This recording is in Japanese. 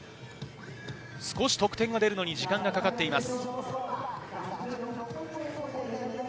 少し得点が出るのに時間がかかっています。